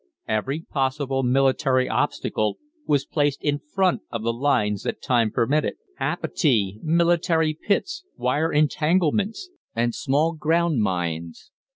Every possible military obstacle was placed in front of the lines that time permitted, abattis, military pits, wire entanglements, and small ground mines.